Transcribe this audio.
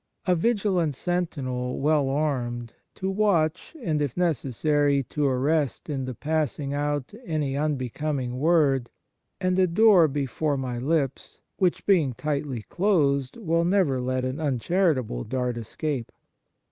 a vigilant sentinel, well armed, to watch, and, if necessary, to arrest in the passing out any unbecoming word " and a door before my lips," which, being tightly closed, will never let an un charitable dart escape.